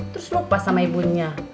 terus lupa sama ibunya